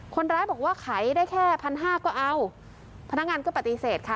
คนร้ายบอกว่าขายได้แค่พันห้าก็เอาพนักงานก็ปฏิเสธค่ะ